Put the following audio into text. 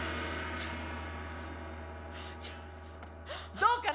どうかな？